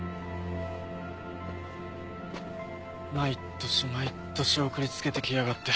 毎年毎年送りつけてきやがって。